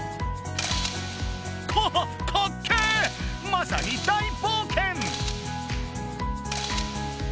まさに大冒険！